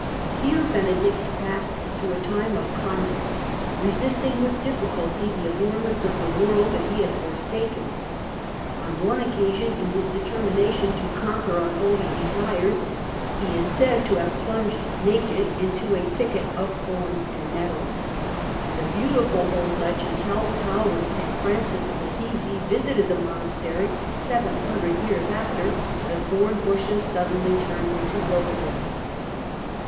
Here Benedict passed through a time of contest, resisting with difficulty the allurements of the world that he had forsaken. On one occasion, in his determination to conquer unholy desires, he is said to have plunged naked into a thicket of thorns and nettles ; and a beautiful old legend tells how, when St. Francis of Assisi visited the monastery seven hundred years after, the thorn bushes suddenly turned into roses.